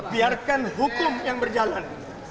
biarkan hukum yang berjalan